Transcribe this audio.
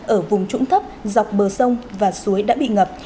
ở vùng trũng thấp dọc bờ sông và suối đã bị ngập